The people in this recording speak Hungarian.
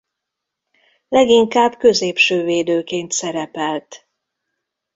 Leginkább középső védőként szerepelt.